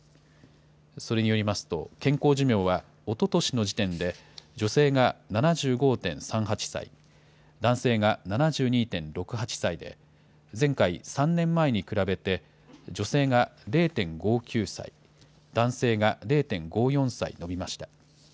それによりますと、健康寿命は、おととしの時点で、女性が７５．３８歳、男性が７２．６８歳で、前回・３年前に比べて、女性が０．５９歳、男性が０．５４歳延びました。